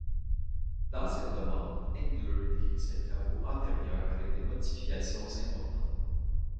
Dans cette demande, Engler décrit ses travaux antérieurs avec des modifications importantes.